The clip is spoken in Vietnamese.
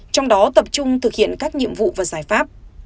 trong đó tập trung thực hiện các nhiệm vụ và giải pháp